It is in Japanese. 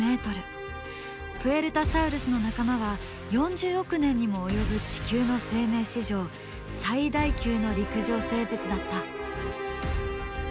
プエルタサウルスの仲間は４０億年にも及ぶ地球の生命史上最大級の陸上生物だった。